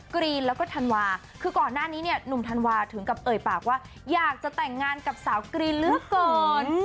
กรีนแล้วก็ธันวาคือก่อนหน้านี้เนี่ยหนุ่มธันวาถึงกับเอ่ยปากว่าอยากจะแต่งงานกับสาวกรีนเหลือเกิน